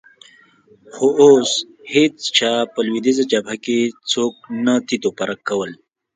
خو اوس هېڅ چا په لوېدیځه جبهه کې څوک نه تیت او پرک کول.